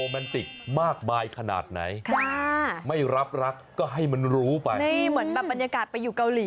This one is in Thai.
ไปเลยนะไม่ใช่ไปเลยหายนู่นออกหู้นไป